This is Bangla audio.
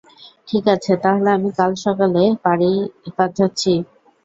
ঠিকাছে, তাহলে আমি কাল সকালে গাড়ি পাঠাচ্ছি।